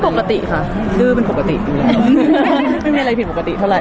ก็ปกติค่ะดึกเป็นปกติไม่มีอะไรผิดปกติเท่าไร